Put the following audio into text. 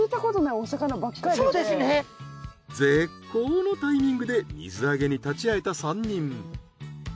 絶好のタイミングで水揚げに立ち会えた３人。